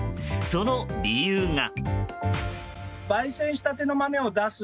その理由が。